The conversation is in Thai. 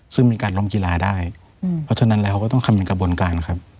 ซึ่งมีการล้มกีฬาได้เพราะฉะนั้นเราก็ต้องทำเป็นกระบวนการครับ